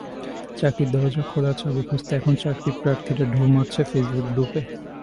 চাকরির দরজা খোলার চাবি খুঁজতে এখন চাকরিপ্রার্থীরা ঢুঁ মারছেন ফেসবুক গ্রুপে।